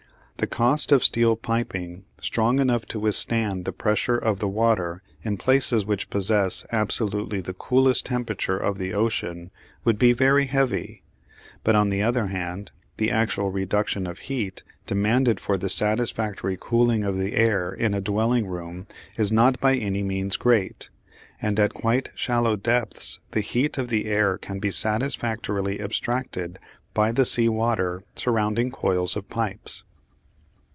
The cost of steel piping strong enough to withstand the pressure of the water in places which possess absolutely the coolest temperature of the ocean would be very heavy; but, on the other hand, the actual reduction of heat demanded for the satisfactory cooling of the air in a dwelling room is not by any means great, and at quite shallow depths the heat of the air can be satisfactorily abstracted by the sea water surrounding coils of pipes.